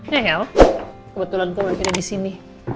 ya ya kebetulan tuh waktu itu di sini